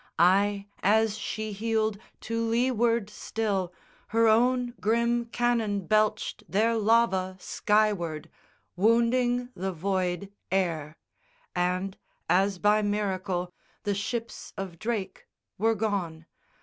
Ay, as she heeled To leeward still, her own grim cannon belched Their lava skyward, wounding the void air, And, as by miracle, the ships of Drake Were gone.